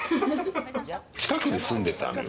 近くに住んでたんだよ。